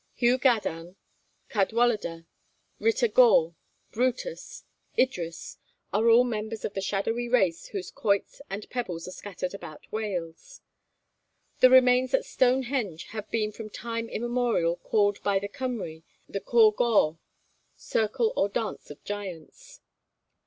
Hu Gadarn, Cadwaladr, Rhitta Gawr, Brutus, Idris, are all members of the shadowy race whose 'quoits' and 'pebbles' are scattered about Wales. The remains at Stonehenge have been from time immemorial called by the Cymry the Côr Gawr, Circle or Dance of Giants.